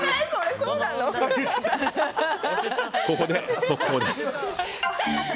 ここで、速報です。